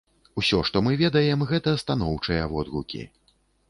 Усё, што мы ведаем, гэта станоўчыя водгукі.